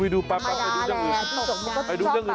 มาแล้วแหละ